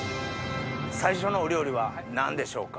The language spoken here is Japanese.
最初のお料理は何でしょうか？